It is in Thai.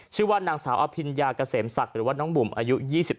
ชื่อว่านางสาวอภิญญาเกษมศักดิ์หรือว่าน้องบุ๋มอายุ๒๓